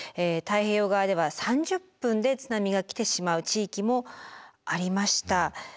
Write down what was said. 太平洋側では３０分で津波が来てしまう地域もありました。